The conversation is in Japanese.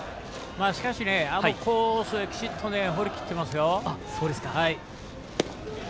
しかし、あのコースにきちっと放り込んでますよ。